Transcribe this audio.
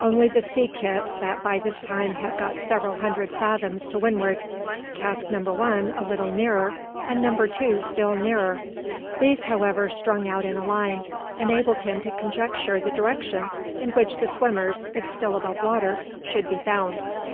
Only the sea kit that by this time had got several hundred fathoms to windward, cask Number 1 a little nearer, and Number 2 still nearer. These, however, strung out in a line, enabled him to conjecture the direction in which the swimmers, if still above water, should be found.